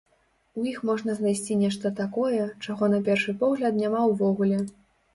У іх можна знайсці нешта такое, чаго, на першы погляд, няма ўвогуле.